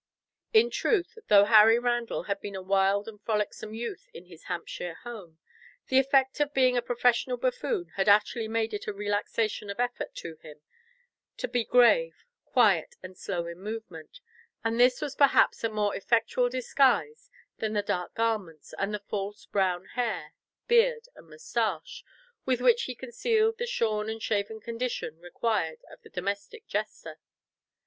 In truth, though Harry Randall had been a wild and frolicsome youth in his Hampshire home, the effect of being a professional buffoon had actually made it a relaxation of effort to him to be grave, quiet, and slow in movement; and this was perhaps a more effectual disguise than the dark garments, and the false brown hair, beard, and moustache, with which he concealed the shorn and shaven condition required of the domestic jester.